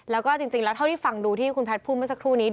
แล้วก็จริงแล้วเท่าที่ฟังดูที่คุณแพทย์พูดเมื่อสักครู่นี้